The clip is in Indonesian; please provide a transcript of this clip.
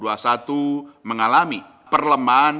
dibandingkan dengan nilai tukar di pasar valuta asing